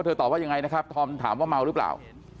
เธอตอบว่าอย่างไรนะครับถามว่าเมาหรือเปล่า